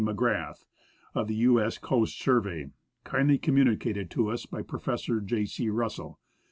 MacGrath, of the "U.S. Coast Survey," kindly communi cated to us by Prof. J. C. Russell.